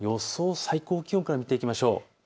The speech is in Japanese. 最高気温から見ていきましょう。